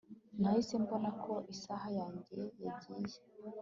Nahise mbona ko isaha yanjye yagiye